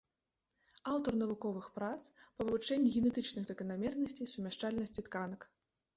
Аўтар навуковых прац па вывучэнні генетычных заканамернасцей сумяшчальнасці тканак.